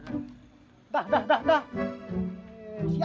dah dah dah dah